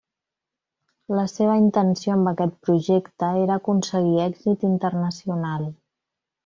La seva intenció amb aquest projecte era aconseguir èxit internacional.